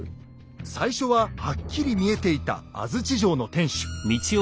最初ははっきり見えていた安土城の天主。